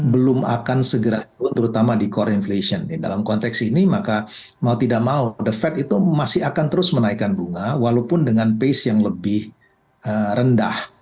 belum akan segera turun terutama di core inflation dalam konteks ini maka mau tidak mau the fed itu masih akan terus menaikkan bunga walaupun dengan pace yang lebih rendah